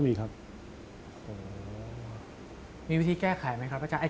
มีวิธีแก้ไขไหมครับพระเจ้า